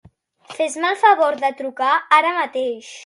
Fes-me el favor de trucar ara mateix.